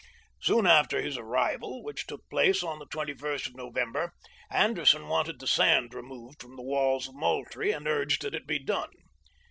Soon after his arrival, which took place 011 the 2 1st of November, Anderson wanted the sand removed from the walls of Moultrie, and urged that it be done.